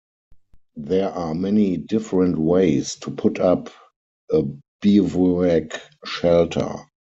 There are many different ways to put up a bivouac shelter.